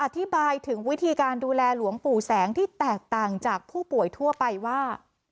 อธิบายถึงวิธีการดูแลหลวงปู่แสงที่แตกต่างจากผู้ป่วยทั่วไปว่า